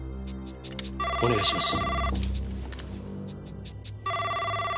お願いします。